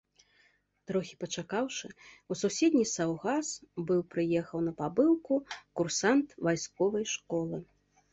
Трохі пачакаўшы, у суседні саўгас быў прыехаў на пабыўку курсант вайсковай школы.